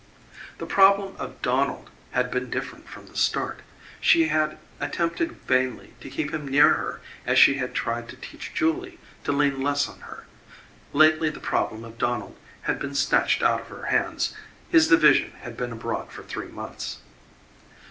The problem of Donald had been different from the start. She had attempted vainly to keep him near her as she had tried to teach Julie to lean less on her lately the problem of Donald had been snatched out of her hands; his division had been abroad for three months.